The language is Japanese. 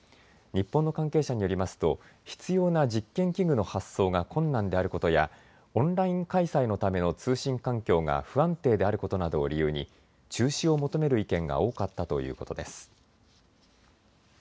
日本の関係者によりますと必要な実験器具の発送が困難であることやオンライン開催のための通信環境が不安定であることなどを理由に中止を求める意見が多かったということです。